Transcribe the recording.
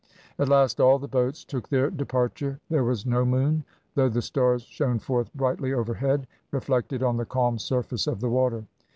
At last all the boats took their departure. There was no moon, though the stars shone forth brightly overhead, reflected on the calm surface of the water.